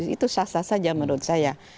itu sah sah saja menurut saya